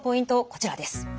こちらです。